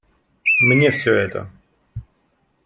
Мне все это.